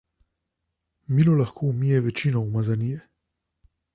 Milo lahko umije večino umazanije.